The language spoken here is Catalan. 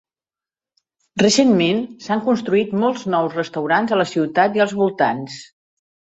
Recentment s'han construït molts nous restaurants a la ciutat i als voltants.